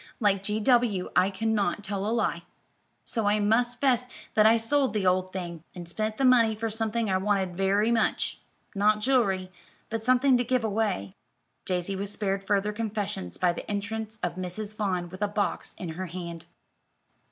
"Like G. W., 'I cannot tell a lie;' so I must 'fess' that I sold the old thing, and spent the money for something I wanted very much, not jewelry, but something to give away." Daisy was spared further confessions by the entrance of Mrs. Vaughn, with a box in her hand.